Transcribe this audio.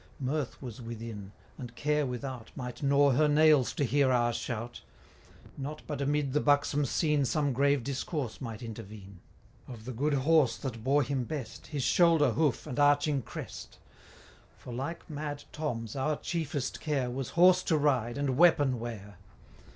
Mirth was within; and care without 200 Might gnaw her nails to hear our shout. Not but amid the buxom scene Some grave discourse might intervene Of the good horse that bore him best, His shoulder, hoof, and arching crest: 205 For, like mad Tom's, our chiefest care, Was horse to ride, and weapon wear.